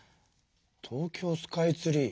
「東京スカイツリー」？